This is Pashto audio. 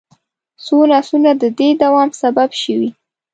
څو نسلونه د دې دوام سبب شوي.